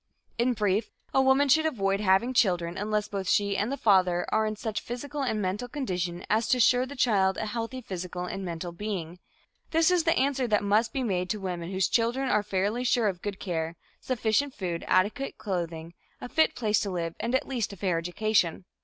In brief, a woman should avoid having children unless both she and the father are in such physical and mental condition as to assure the child a healthy physical and mental being. This is the answer that must be made to women whose children are fairly sure of good care, sufficient food, adequate clothing, a fit place to live and at least a fair education.